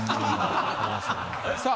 さあ